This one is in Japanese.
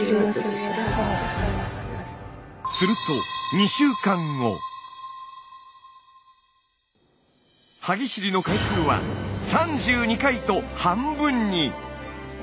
すると歯ぎしりの回数は３２回と半分に！